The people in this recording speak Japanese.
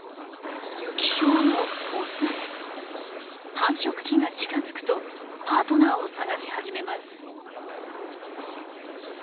繁殖期が近づくとパートナーを探し始めます。